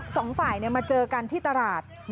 สองฝ่ายมาเจอกันที่ตลาด